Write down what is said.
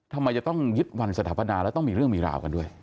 ทำไมจะต้องยึดวันสถาปนาแล้วต้องมีเรื่องมีราวกันด้วย